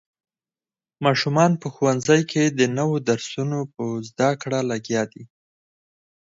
ماشومان په ښوونځي کې د نوو درسونو په زده کړه لګیا دي.